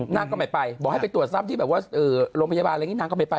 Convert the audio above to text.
นางก็ไม่ไปบอกให้ไปตรวจซ้ำที่แบบว่าโรงพยาบาลอะไรอย่างนี้นางก็ไม่ไป